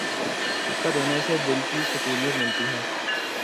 صدقہ دینے سے دل کی سکونیت ملتی ہے۔